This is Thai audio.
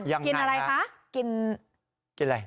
ยังไงคะกินอะไรคะกินกินอะไร